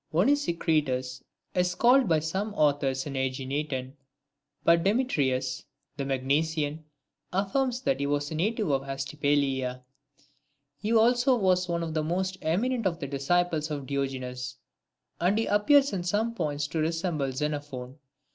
I. OSNESICKITUS is called by some authors an JEginetan, but Demetrius the Magnesian affirms that he was a native of Astypalaea. He also was one of the most eminent of the disciples of Diogenes. II. And he appears in some points to resemble Xenophon.